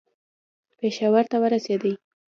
پېښور ته ورسېدی.